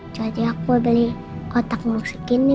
jadi aku beli kotak musik ini